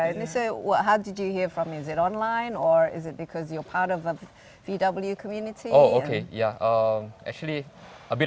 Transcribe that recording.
ya kita hanya menjualnya seperti perusahaan makanan kombi